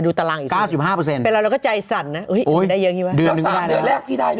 ตารางอีก๙๕เป็นเราเราก็ใจสั่นนะได้เยอะพี่ป่ะแล้ว๓เดือนแรกที่ได้